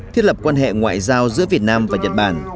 thiết lập quan hệ ngoại giao giữa việt nam và nhật bản